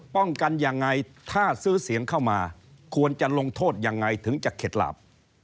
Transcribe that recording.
ป้องกันยังไงถ้าซื้อเสียงเข้ามาควรจะลงโทษยังไงถึงจะเข็ดหลาบ